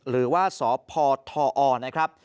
หรือว่าสพทอนะครับ